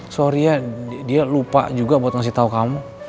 sorry ya dia lupa juga buat ngasih tau kamu